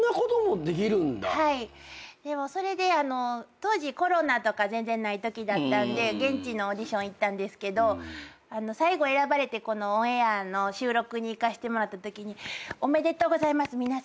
当時コロナとか全然ないときだったんで現地のオーディション行ったんですけど最後選ばれてオンエアの収録に行かせてもらったときにおめでとうございます皆さん。